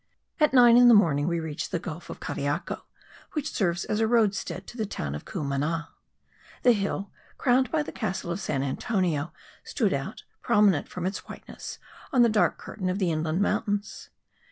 At nine in the morning we reached the gulf of Cariaco which serves as a roadstead to the town of Cumana. The hill, crowned by the castle of San Antonio, stood out, prominent from its whiteness, on the dark curtain of the inland mountains.